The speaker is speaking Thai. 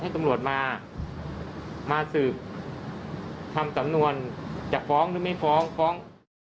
ตำรวจมามาสืบทำสำนวนจะฟ้องหรือไม่ฟ้องฟ้อง